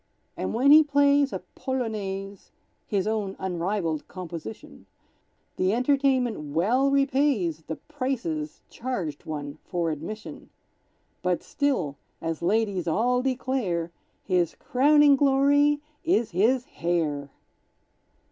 And when he plays a "Polonaise," (His own unrivalled composition), The entertainment well repays The prices charged one for admission; But still, as ladies all declare, His crowning glory is his hair!